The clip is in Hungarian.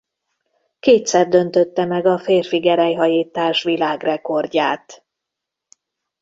Kétszer döntötte meg a férfi gerelyhajítás világrekordját.